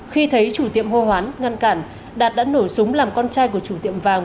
khi thấy chủ tiệm hô hoán ngăn cản đạt đã nổ súng làm con trai của chủ tiệm vàng